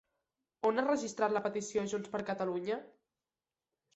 On ha registrat la petició Junts per Catalunya?